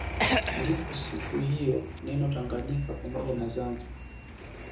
Ndipo siku hiyo neno Tanaganyika pamoja na Zanzibar